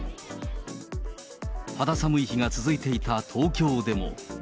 肌寒い日が続いていた東京でも。